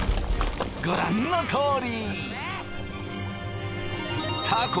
ご覧のとおり！